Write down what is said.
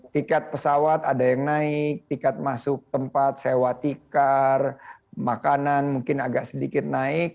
tiket pesawat ada yang naik tiket masuk tempat sewa tikar makanan mungkin agak sedikit naik